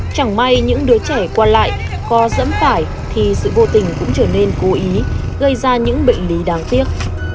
chẳng may những đứa trẻ qua lại khó dẫm phải thì sự vô tình cũng trở nên cố ý gây ra những bệnh lý đáng tiếc